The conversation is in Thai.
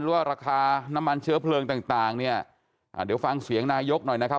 ว่าราคาน้ำมันเชื้อเพลิงต่างต่างเนี่ยอ่าเดี๋ยวฟังเสียงนายกหน่อยนะครับ